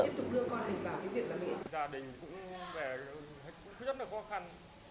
gia đình cũng rất là khó khăn